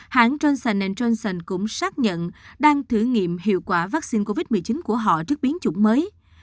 hãng johnson johnson cũng xác nhận đang thử nghiệm hiệu quả vaccine covid một mươi chín của họ trước biến chủng mới